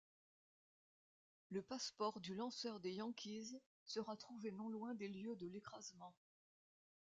Le passeport du lanceur des Yankees sera trouvé non loin des lieux de l'écrasement.